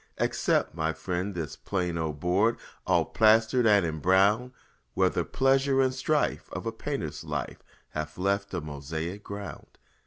Accept, my friend, this plain old board All plastered and imbrowned, Where the pleasure and strife of a painter's life Have left a mosaic ground.